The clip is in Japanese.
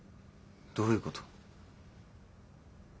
どういうこと？